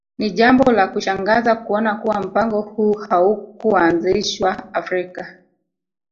Ni jambo la kushangaza kuona kuwa mpango huu haukuanzishwa Afrika